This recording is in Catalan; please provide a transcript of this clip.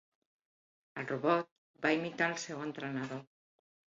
El robot va imitar el seu entrenador.